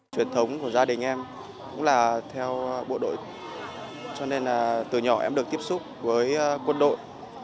truyền thống của gia đình em cũng là theo bộ đội cho nên là từ nhỏ em được tiếp xúc với quân đội